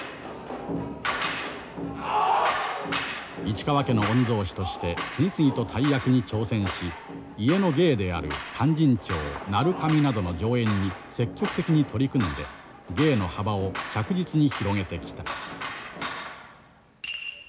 市川家の御曹子として次々と大役に挑戦し家の芸である「勧進帳」「鳴神」などの上演に積極的に取り組んで芸の幅を着実に広げてきた。